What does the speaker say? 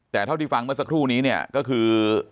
แต่เท่าที่ฟังเมื่อสักครู่นี้เนี่ยก็คือ